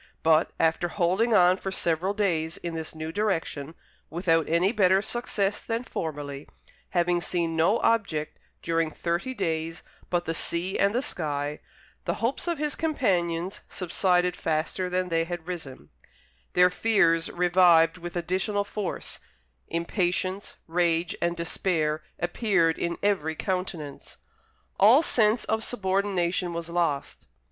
But, after holding on for several days in this new direction, without any better success than formerly, having seen no object during thirty days but the sea and the sky, the hopes of his companions subsided faster than they had risen; their fears revived with additional force; impatience, rage, and despair appeared in every countenance. All sense of subordination was lost.